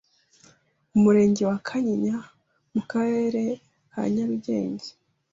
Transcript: umurenge wa Kanyinya mu karere ka Nyarugenge,